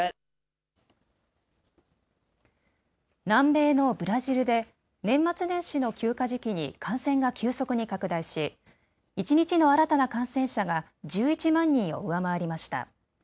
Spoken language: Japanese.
南米のブラジルで年末年始の休暇時期に感染が急速に拡大し一日の新たな感染者が１１万人を上回りました。